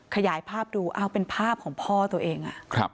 ขยายภาพดูอ้าวเป็นภาพของพ่อตัวเอง